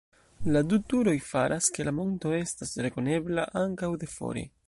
La du turoj faras, ke la monto estas rekonebla ankaŭ de fore.